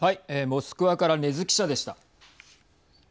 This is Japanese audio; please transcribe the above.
モスクワから禰津記者でした。